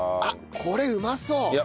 あっこれうまそう！